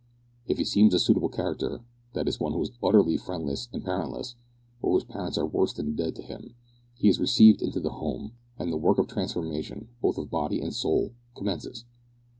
If he seems a suitable character that is, one who is utterly friendless and parentless, or whose parents are worse than dead to him he is received into the Home, and the work of transformation both of body and soul commences.